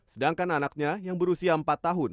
sedangkan anaknya yang berusia empat tahun